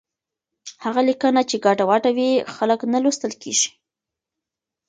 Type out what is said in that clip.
هغه لیکنه چې ګډوډه وي، خلک نه لوستل کېږي.